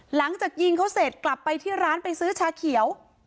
หลังจากยิงเขาเสร็จกลับไปที่ร้านไปซื้อชาเขียว